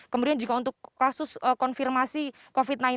kemudian jika untuk kasus konfirmasi covid sembilan belas